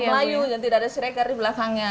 nama melayu dan tidak ada siregar di belakangnya